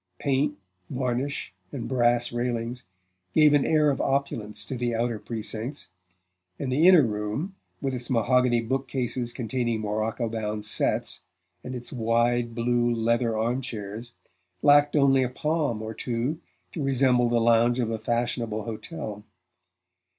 Paint, varnish and brass railings gave an air of opulence to the outer precincts, and the inner room, with its mahogany bookcases containing morocco bound "sets" and its wide blue leather arm chairs, lacked only a palm or two to resemble the lounge of a fashionable hotel.